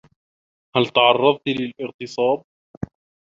هل... تعرّضتِ للاغتصاب؟